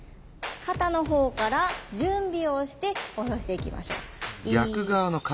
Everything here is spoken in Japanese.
肩の方から準備をしておろしていきましょう。